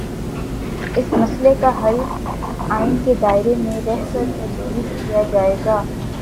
اس مسئلے کا حل آئین کے دائرے میں رہ کرتجویز کیا جائے گا۔